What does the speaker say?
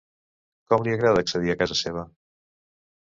Com li agrada accedir a casa seva?